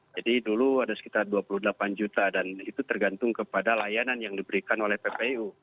jadi dulu ada sekitar dua puluh delapan juta dan itu tergantung kepada layanan yang diberikan oleh ppu